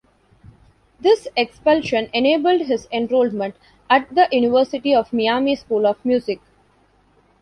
This expulsion enabled his enrollment at the University of Miami School of Music.